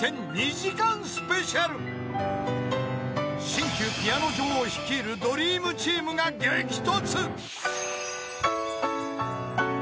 ［新旧ピアノ女王率いるドリームチームが激突］